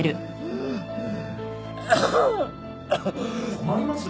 困ります！